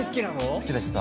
好きでした。